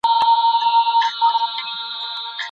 ولي د موخي په لور نه ستړي کیدونکي منډه حتمي ده؟